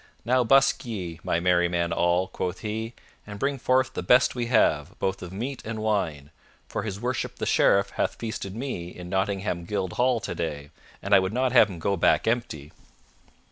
"Now busk ye, my merry men all," quoth he, "and bring forth the best we have, both of meat and wine, for his worship the Sheriff hath feasted me in Nottingham Guild Hall today, and I would not have him go back empty."